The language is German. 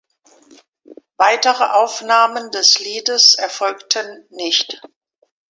Weitere Aufnahmen des Liedes erfolgten nicht.